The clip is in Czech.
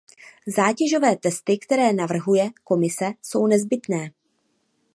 Zátěžové testy, které navrhuje Komise, jsou nezbytné.